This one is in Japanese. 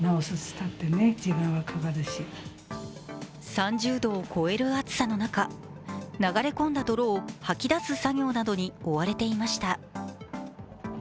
３０度を超える暑さの中、流れ込んだ泥を掃き出す作業などに追われていました。